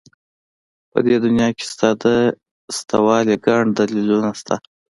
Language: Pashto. په دې دنيا کې ستا د شتهوالي گڼ دلیلونه شته.